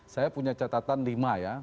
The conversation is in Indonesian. saya punya catatan lima ya